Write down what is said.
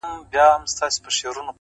• هله تياره ده په تلوار راته خبري کوه،